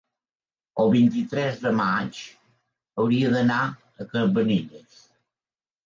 el vint-i-tres de maig hauria d'anar a Cabanelles.